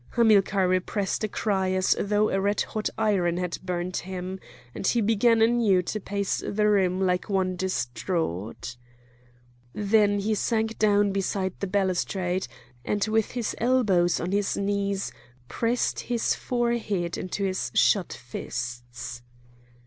Hamilcar repressed a cry as though a red hot iron had burnt him; and he began anew to pace the room like one distraught. Then he sank down beside the balustrade, and, with his elbows on his knees, pressed his forehead into his shut fists.